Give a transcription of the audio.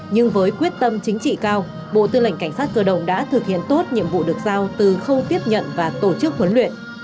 nhưng với quyết tâm chính trị cao bộ tư lệnh cảnh sát cơ động đã thực hiện tốt nhiệm vụ được giao từ khâu tiếp nhận và tổ chức huấn luyện